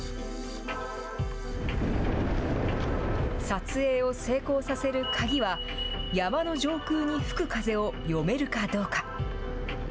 撮影を成功させる鍵は、山の上空に吹く風を読めるかどうか。